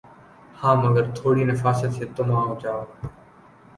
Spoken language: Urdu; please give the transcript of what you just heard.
ہاں مگر تھوڑی نفاست سے تُم آؤجاؤ